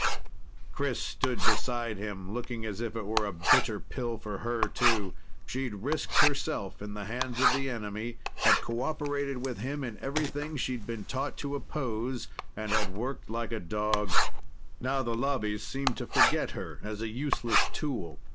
Chris stood beside him, looking as if it were a bitter pill for her, too. She'd risked herself in the hands of the enemy, had cooperated with him in everything she'd been taught to oppose, and had worked like a dog. Now the Lobbies seemed to forget her as a useless tool.